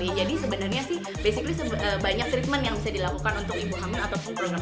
sebenarnya sih basically banyak treatment yang bisa dilakukan untuk ibu hamil ataupun program